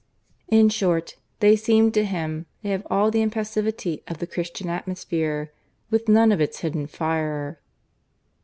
In short, they seemed to him to have all the impassivity of the Christian atmosphere, with none of its hidden fire.